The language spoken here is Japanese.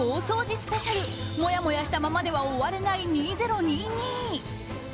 スペシャルもやもやしたままでは終われない２０２２。